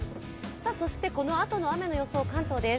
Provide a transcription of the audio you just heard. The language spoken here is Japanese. そしてこのあとの雨の予想、関東です。